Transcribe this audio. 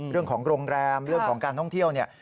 เรื่องของโรงแรมเรื่องของการท่องเที่ยวเนี่ย